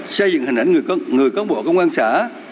xây dựng hình ảnh người cán bộ công an xã